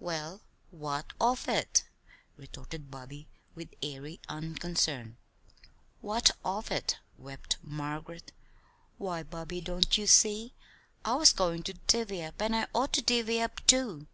"Well, what of it?" retorted Bobby, with airy unconcern. "What of it!" wept Margaret. "Why, Bobby, don't you see? I was goin' to divvy up, and I ought to divvy up, too.